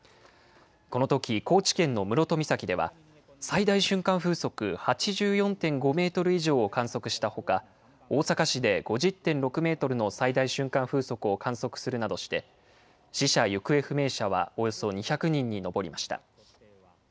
このとき、高知県の室戸岬では、最大瞬間風速８４．５メートル以上を観測したほか、大阪市で５０．６メートルの最大瞬間風速を観測するなどして、死者・行方不明者はおよそ２００人に上りました。